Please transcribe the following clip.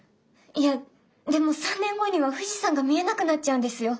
いやでも３年後には富士山が見えなくなっちゃうんですよ。